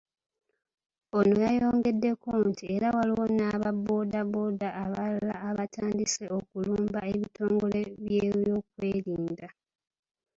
Ono yayongeddeko nti era waliwo n'aba boda boda abalala abatandise okulumba eb'ebitongole by'ebyokwerinda.